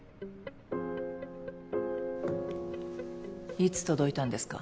いつ届いたんですか？